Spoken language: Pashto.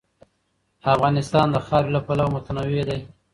افغانستان د خاوره له پلوه متنوع دی.